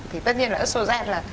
thì tất nhiên là ớt sô gen là